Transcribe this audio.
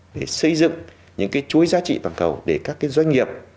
để xây dựng những chuối giá trị toàn cầu để các doanh nghiệp